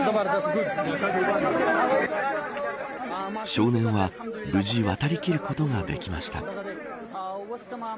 少年は、無事渡りきることができました。